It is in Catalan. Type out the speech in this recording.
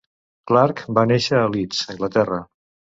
Clark va néixer a Leeds, Anglaterra.